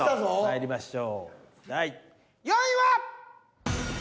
まいりましょう第４位は！？